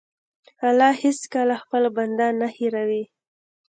الله هېڅکله خپل بنده نه هېروي.